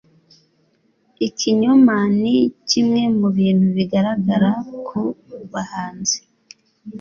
Ikinyoma ni kimwe mu bintu bigaragara ku bahanzi